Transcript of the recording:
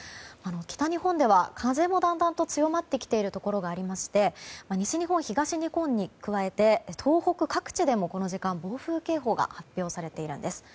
北日本では、風もだんだんと強まってきているところがありまして西日本、東日本に加えて東北各地でもこの時間、暴風警報が発表されているんです。